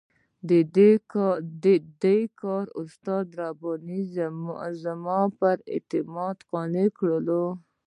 دې کار استاد رباني زما پر اعتماد قانع کړی وو.